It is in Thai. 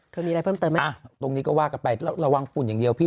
เคยมีอะไรเพิ่มเติมไหมอ่ะตรงนี้ก็ว่ากันไประวังฝุ่นอย่างเดียวพี่